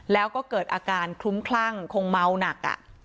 แล้วก็เกิดอาการคลุ้มคลั่งคงเมาหนัก